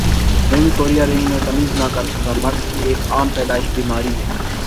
رنگ کور یا رنگ میں تمیز نہ کر سکہ مرد کی ایک عام پیدائش بیماری ہے